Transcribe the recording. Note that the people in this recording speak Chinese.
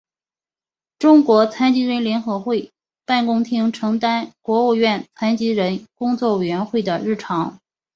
中国残疾人联合会办公厅承担国务院残疾人工作委员会的日常工作。